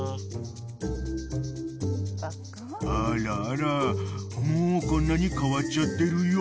［あらあらもうこんなに変わっちゃってるよ］